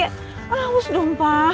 haus dong pa